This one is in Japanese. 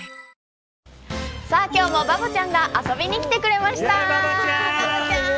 今日もバボちゃんが遊びに来てくれました。